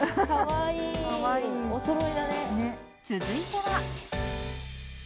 続いては。